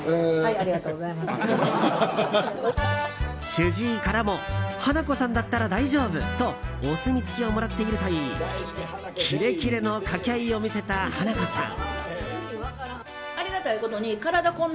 主治医からも花子さんだったら大丈夫とお墨付きをもらっているといいキレキレの掛け合いを見せた花子さん。